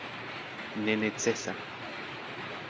nenecesa